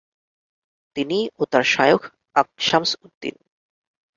তিনি ও তার শায়খ আকশামসউদ্দিন